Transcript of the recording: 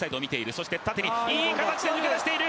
そして縦にいい形で抜け出している。